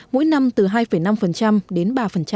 mỗi năm từ hai năm đến ba